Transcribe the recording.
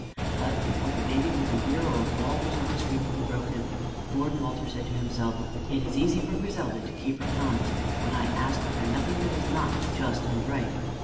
But before the baby was a year old, all Griselda's dreams were broken. Lord Walter said to himself, "It is easy for Griselda to keep her promise when I ask of her nothing that is not just and right.